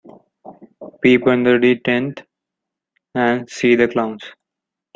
Peep under the tent and see the clowns.